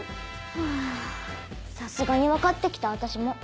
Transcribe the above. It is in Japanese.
はぁさすがに分かって来た私も。